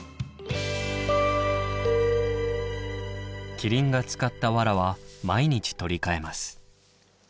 キリンが使ったわらは毎日取り替えます。